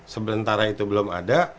sebentar itu belum ada